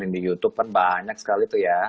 yang di youtube kan banyak sekali tuh ya